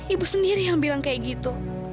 ibu sendiri yang bilang kayak gitu